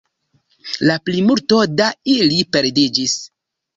La plimulto da ili perdiĝis.